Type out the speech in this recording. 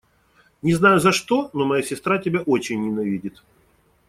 Не знаю за что, но моя сестра тебя очень ненавидит.